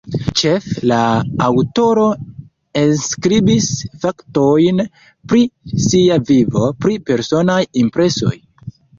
Ĉefe, la aŭtoro enskribis faktojn pri sia vivo, pri personaj impresoj.